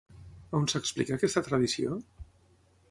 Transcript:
A on s'explica aquesta tradició?